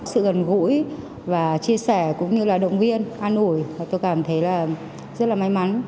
sự gần gũi và chia sẻ cũng như là động viên an ủi và tôi cảm thấy là rất là may mắn